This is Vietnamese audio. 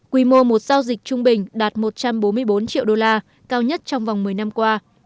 quy mô một giao dịch trung bình đạt một trăm bốn mươi bốn triệu đô la cao nhất trong vòng một mươi năm qua